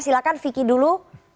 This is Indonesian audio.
silahkan vicky dulu